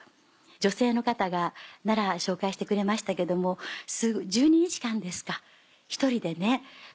女性の方が奈良を紹介してくれましたけども１２日間ですか１人でね。